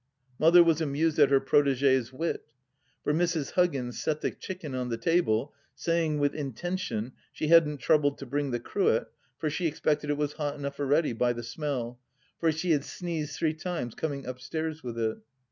Mother was amused at her protegee's wit. For Mrs. Huggins set the chicken on the table, say ing, with intention, she hadn't troubled to bring the cruet, for she expected it was 'ot enough already, by the smell, for she had sneezed three times coming upstairs with it.